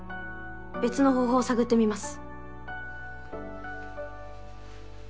別の方法を探ってみます。